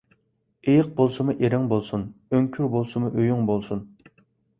ئېيىق بولسىمۇ ئېرىڭ بولسۇن، ئۆڭكۈر بولسىمۇ ئۆيۈڭ بولسۇن.